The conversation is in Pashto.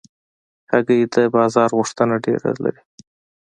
هګۍ د بازار غوښتنه ډېره لري.